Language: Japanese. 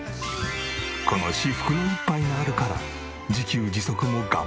この至福の１杯があるから自給自足も頑張れる。